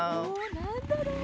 なんだろう？